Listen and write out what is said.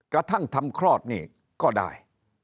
กระทั่งทำคลอดนี่ก็ได้